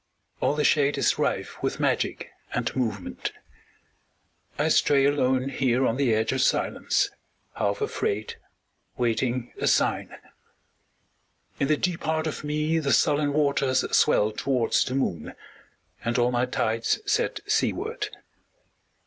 All the shade Is rife with magic and movement. I stray alone Here on the edge of silence, half afraid, Waiting a sign. In the deep heart of me The sullen waters swell towards the moon, And all my tides set seaward.